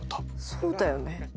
そうだよね？